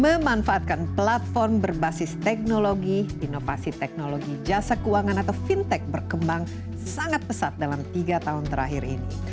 memanfaatkan platform berbasis teknologi inovasi teknologi jasa keuangan atau fintech berkembang sangat pesat dalam tiga tahun terakhir ini